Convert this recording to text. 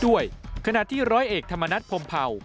ขณะที่ร้อยเอกธรรมนัฐพรมเผ่า